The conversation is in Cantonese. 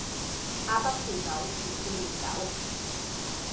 阿崩叫狗越叫越走